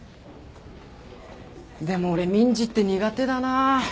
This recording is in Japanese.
でも俺民事って苦手だな。